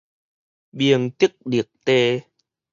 明德綠地